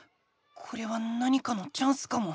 これは何かのチャンスかも。